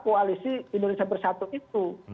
koalisi indonesia bersatu itu